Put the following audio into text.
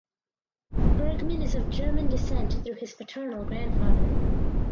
Bergman is of German descent through his paternal grandfather.